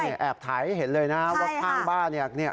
เนี่ยแอบไถเห็นเลยนะวัดข้างบ้านเนี่ย